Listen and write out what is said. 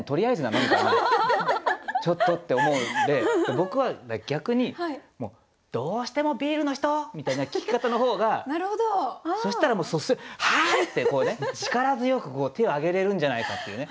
みたいなちょっとって思うんで僕は逆に「どうしてもビールの人？」みたいな聞き方の方が。なるほど！そしたら「はい！」って力強く手を挙げれるんじゃないかっていうね。